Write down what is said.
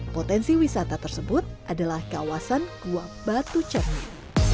potensi wisata tersebut adalah kawasan gua batu cermin